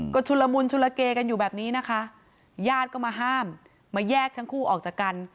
ก็ชุลมุนชุลเกกันอยู่แบบนี้นะคะญาติก็มาห้ามมาแยกทั้งคู่ออกจากกัน